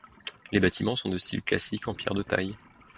Les bâtiments sont de style classique en pierre de taille.